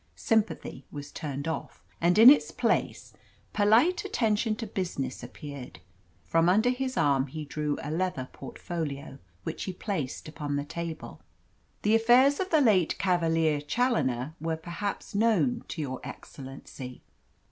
Sympathy was turned off, and in its place Polite Attention to Business appeared. From under his arm he drew a leather portfolio, which he placed upon the table. "The affairs of the late Cavalier Challoner were perhaps known to your excellency?"